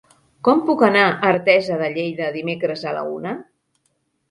Com puc anar a Artesa de Lleida dimecres a la una?